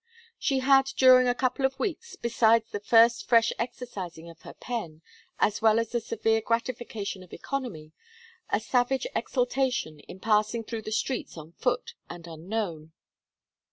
She had during a couple of weeks, besides the first fresh exercising of her pen, as well as the severe gratification of economy, a savage exultation in passing through the streets on foot and unknown.